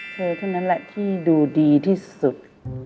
เธอเท่านั้นแหละที่ดูดีที่สุด